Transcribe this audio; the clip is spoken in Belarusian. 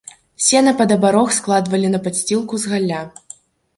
Сена пад абарог складвалі на падсцілку з галля.